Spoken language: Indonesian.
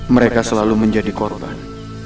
mereka selalu menjadi korban